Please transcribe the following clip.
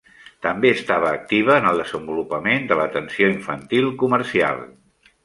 També estava activa en el desenvolupament de l'atenció infantil comercial.